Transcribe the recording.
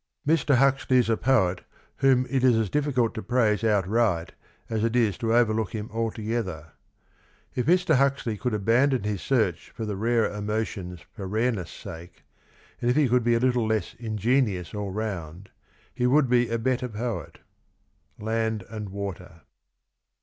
" Mr. Huxley is a poet whom it is as difficult to praise outright as it is to overlook him altogether. ... If Mr. Huxley could abandon his search for the rarer emotions for rareness' sake, and if he could be a little less ingenious all round, he would be a better poet." — Land and Water.